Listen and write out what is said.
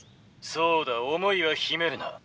「そうだ思いは秘めるな。